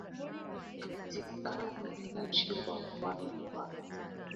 katika mji wa pwani wa GuajuraHapo jana maafisa wa kupambana